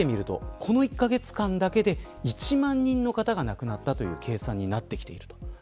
この１カ月間だけで１万人の方が亡くなったという計算になってきている。